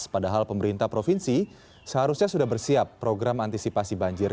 padahal pemerintah provinsi seharusnya sudah bersiap program antisipasi banjir